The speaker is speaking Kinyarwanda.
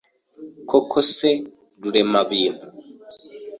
Koko se Ruremabintu